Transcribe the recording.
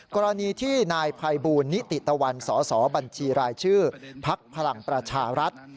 กรณีที่นายภัยบูลนิติตวรรณสบรชภักษ์พลังประชารัฐ